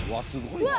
すごい！